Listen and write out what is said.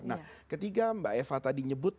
nah ketiga mbak eva tadi nyebut